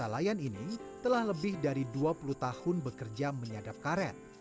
layan ini telah lebih dari dua puluh tahun bekerja menyadap karet